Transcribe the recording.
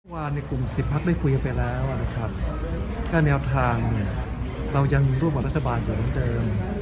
ว่าในกลุ่ม๑๐ภักดิ์ได้คุยกันไปแล้วแก้แนวทางเรายังร่วมกับรัฐบาลอย่างเดิม